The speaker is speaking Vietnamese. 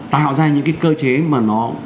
tạo ra những cái cơ chế mà nó